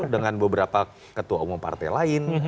dengan beberapa ketua umum partai lain